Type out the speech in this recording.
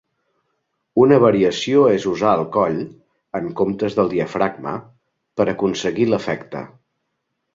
Una variació és usar el coll, en comptes del diafragma, per aconseguir l'efecte.